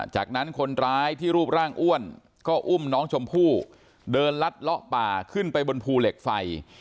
จากนั้นคนร้ายที่รูปร่างอ้วนก็อุ้มน้องชมพู่เดินลัดเลาะป่าขึ้นไปบนภูเหล็กไฟ